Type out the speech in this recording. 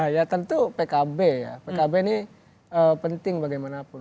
ya tentu pkb ya pkb ini penting bagaimanapun